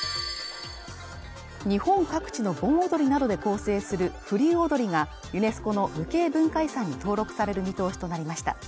日本各地の盆踊りなどで構成する風流踊がユネスコの無形文化遺産に登録される見通しとなりました